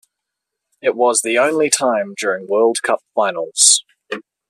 It was the only time during World Cup Finals.